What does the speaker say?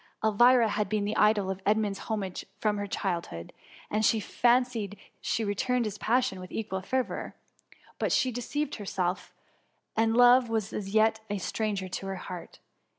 Elvira had been the idol of Edmund's ho mage from her childhood ; and she fancied she returned his passion with equal fervour; but she deceived herself, and love was as yet a stranger to her heart.